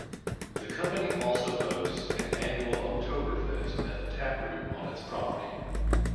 The company also hosts an annual Oktoberfest at the Tap Room on its property.